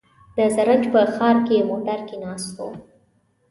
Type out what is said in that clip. د زرنج په ښار کې موټر کې ناست و.